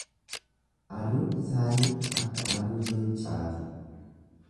Aduun isaanii akka aduu leencaa ti.